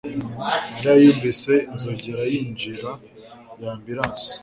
Mariya yumvise inzogera yinjira ya ambulance